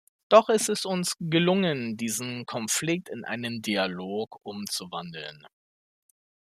Doch es ist uns gelungen, diesen Konflikt in einen Dialog umzuwandeln.